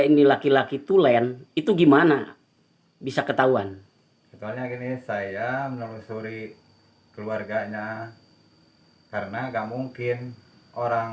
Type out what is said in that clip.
ini laki laki tulen itu gimana bisa ketahuan soalnya gini saya menelusuri keluarganya karena nggak mungkin orang